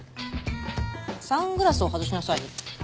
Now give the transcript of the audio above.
サングラスを外しなさいよ。